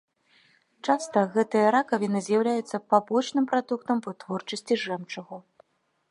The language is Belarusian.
Часта гэтыя ракавіны з'яўляюцца пабочным прадуктам вытворчасці жэмчугу.